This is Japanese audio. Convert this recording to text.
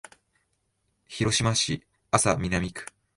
広島市安佐南区